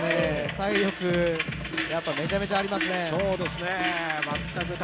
体力、やっぱ、めちゃくちゃありますね。